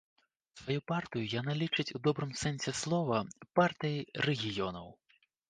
Сваю партыю яна лічыць у добрым сэнсе слова партыяй рэгіёнаў.